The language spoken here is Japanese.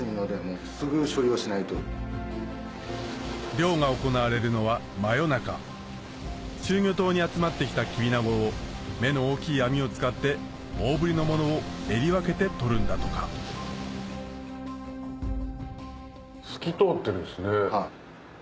漁が行われるのは真夜中集魚灯に集まってきたキビナゴを目の大きい網を使って大ぶりのものをえり分けて取るんだとか透き通ってるんですね。